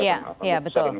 bisa dengan beberapa berbeda